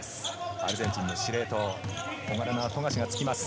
アルゼンチンの司令塔、小柄な富樫がつきます。